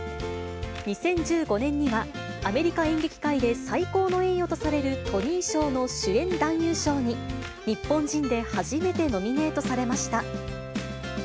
２０１５年には、アメリカ演劇界で最高の栄誉とされるトニー賞の主演男優賞に、日本人で初めてノミネートされました。